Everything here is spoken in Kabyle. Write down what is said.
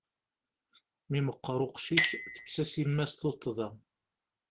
Mi meqqeṛ uqcic, tekkes-as yemma-s tuṭṭḍa.